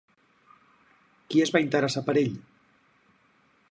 Qui es va interessar per ell?